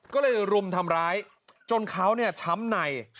ก็เลยรุมทำร้ายจนเขาช้ำใน